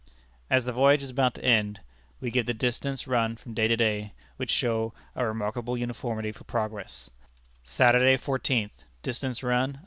'" As the voyage is about to end, we give the distances run from day to day, which show a remarkable uniformity of progress: Distance Run.